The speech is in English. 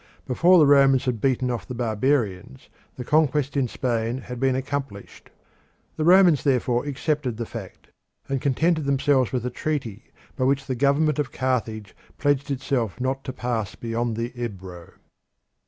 Before the Romans had beaten off the barbarians the conquest in Spain had been accomplished. The Romans therefore accepted the fact, and contented themselves with a treaty by which the government of Carthage pledged itself not to pass beyond the Ebro.